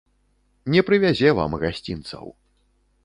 Не прывязе вам гасцінцаў.